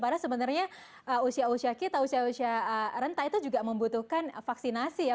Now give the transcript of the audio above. karena sebenarnya usia usia kita usia usia renta itu juga membutuhkan vaksinasi ya